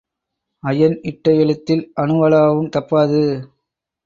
Iron இட்ட எழுத்தில் அணுவளவும் தப்பாது.